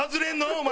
お前。